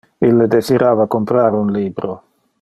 Ille desirava comprar un libro.